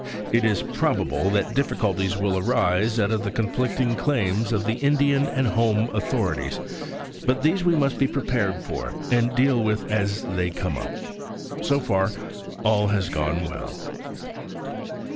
It is probable that difficulties will arise out of the conflicting claims of the Indian and home authorities: but these we must be prepared for, and deal with as they come up. So far, all has gone well.